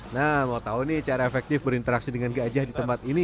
nah mau tahu nih cara efektif berinteraksi dengan gajah di tempat ini